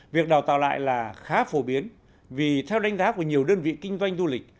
việc đào tạo lại là khá phổ biến vì theo đánh giá của nhiều đơn vị kinh doanh du lịch